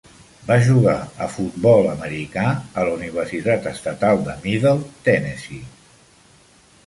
Va jugar a futbol americà a la Universitat Estatal de Middle Tennessee.